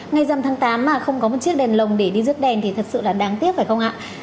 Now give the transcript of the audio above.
ngay dầm tháng tám mà không có một chiếc đèn lồng để đi rước đèn thì thật sự là đáng tiếc phải không ạ